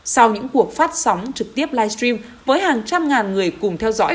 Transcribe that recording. sau những cuộc phát sóng trực tiếp livestream với hàng trăm ngàn người cùng theo dõi